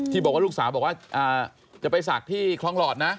ที่บอกว่าลูกสาวจะไปสักที่คลองหลอดนะ